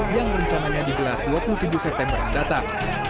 yang rencananya digelar dua puluh tujuh september yang datang